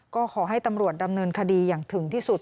ก็ขอให้ตำรวจดำเนินคดีอย่างถึงที่สุด